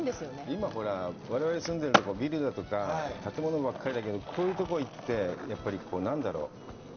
今、ほら、我々住んでいるところ、ビルだとか建物ばかりだけど、こういうとこ行って、何だろう。